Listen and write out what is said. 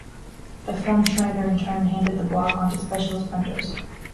The formschneider in turn handed the block on to specialist printers.